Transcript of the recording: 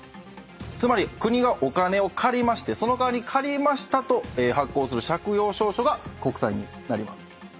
つまり国がお金を借りまして借りましたと発行する借用証書が国債になります。